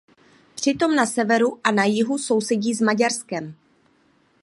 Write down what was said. Přitom na severu a na jihu sousedí s Maďarskem.